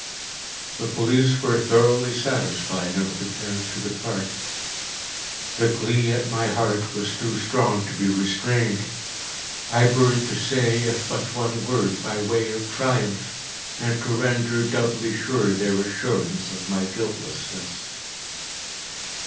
The police were thoroughly satisfied and prepared to depart. The glee at my heart was too strong to be restrained. I burned to say if but one word, by way of triumph, and to render doubly sure their assurance of my guiltlessness.